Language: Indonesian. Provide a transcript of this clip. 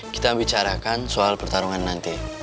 kita bicarakan soal pertarungan nanti